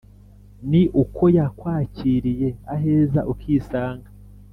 ni uko yakwakiriye aheza ukisanga